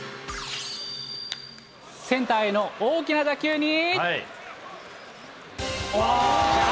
センターへの大きな打球に。